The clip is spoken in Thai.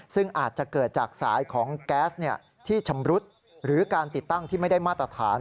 ซึ่งอาจจะเกิดจากสายของแก๊สที่ชำรุดหรือการติดตั้งที่ไม่ได้มาตรฐาน